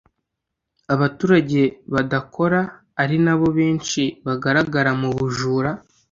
abaturage badakora ari nabo benshi bagaragara mu bujura